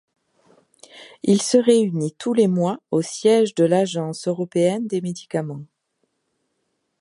Il se réunit tous les mois au siège de l'Agence européenne des médicaments.